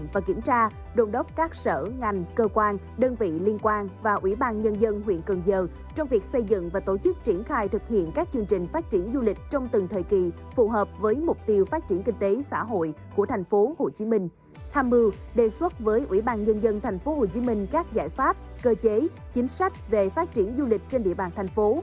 với quỹ ban dân dân tp hcm các giải pháp cơ chế chính sách về phát triển du lịch trên địa bàn thành phố